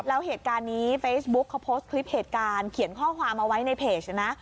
แล้วเหตุการณ์นี้เฟซบุ๊คเขาโพสต์คลิปเหตุการณ์เขียนข้อความเอาไว้ในเพจนะ